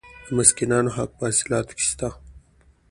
د مسکینانو حق په حاصلاتو کې شته.